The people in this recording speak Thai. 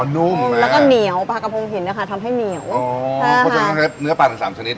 นุ่มแล้วก็เหนียวปลากระพงหินนะคะทำให้เหนียวอ๋อเขาจะต้องเล็บเนื้อปลาถึงสามชนิด